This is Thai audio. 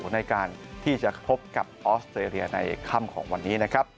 ในการที่จะพบกับออสเตรเลียในค่ำของวันนี้นะครับ